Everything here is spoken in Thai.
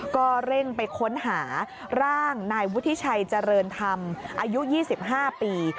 ก็เร่งไปค้นหาร่างนายวุฒิชัยเจริญธรรมอายุ๒๕ปี